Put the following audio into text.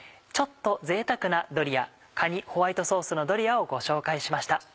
ちょっと贅沢なドリア「かにホワイトソースのドリア」をご紹介しました。